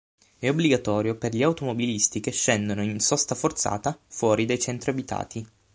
È obbligatorio per gli automobilisti che scendono in sosta forzata fuori dai centri abitati.